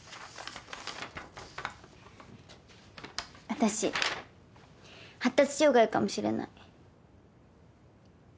私発達障害かもしれない。